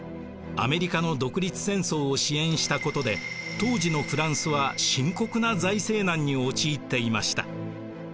アメリカの独立戦争を支援したことで当時のフランスは深刻な財政難に陥っていました。